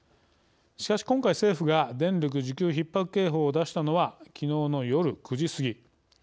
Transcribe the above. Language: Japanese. しかし今回、政府が電力需給ひっ迫警報を出したのはきのうの夜９時過ぎ。